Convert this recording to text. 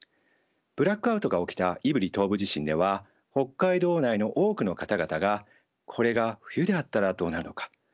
ブラックアウトが起きた胆振東部地震では北海道内の多くの方々が「これが冬であったらどうなるのか」